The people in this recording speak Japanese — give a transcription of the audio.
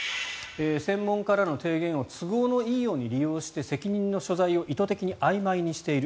専門家らの提言を都合のいいように利用して責任の所在を意図的にあいまいにしている。